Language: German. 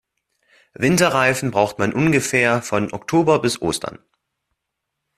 Winterreifen braucht man ungefähr von Oktober bis Ostern.